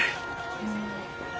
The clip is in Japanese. うん。